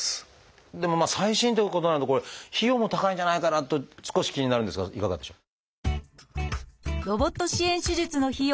でも最新ということなのでこれ費用も高いんじゃないかなと少し気になるんですがいかがでしょう？